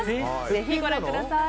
ぜひご覧ください。